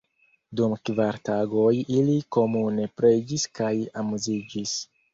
Dum kvar tagoj ili komune preĝis kaj amuziĝis.